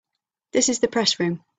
This is the Press Room.